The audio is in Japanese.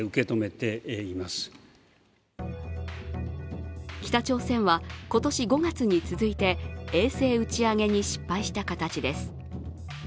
岸田総理も北朝鮮は今年５月に続いて衛星打ち上げに失敗した形です。